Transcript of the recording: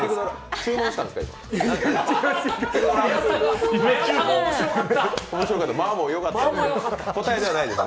注文したんですか？